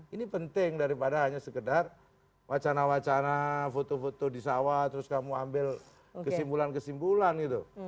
ini penting daripada hanya sekedar wacana wacana foto foto di sawah terus kamu ambil kesimpulan kesimpulan gitu